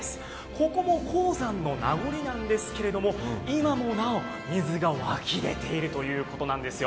ここも鉱山の名残なんですけれども、今もなお水が湧き出ているということなんですよ。